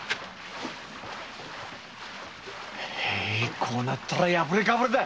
こうなったら破れかぶれだ。